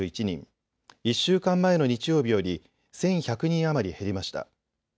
１週間前の日曜日より１１００人余り減りました。